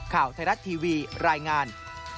ข่าวทะเลรัตน์ทีวีรายงาน